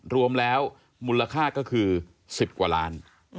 รวมแล้วมูลค่าก็คือ๑๐กว่าล้าน